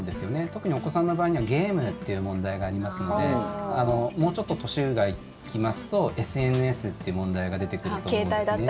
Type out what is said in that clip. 特に、お子さんの場合にはゲームという問題がありますのでもうちょっと年がいきますとＳＮＳっていう問題が出てくると思うんですね。